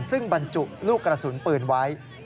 ซึ่งบรรจุลูกกระสุนปืนไว้